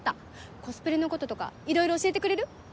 コスプレのこととかいろいろ教えてくれる？